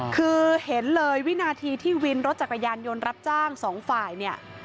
คือเห็นเลยวินาทีที่วินรถจักรยานยนต์รับจ้างสองฝ่ายเนี่ย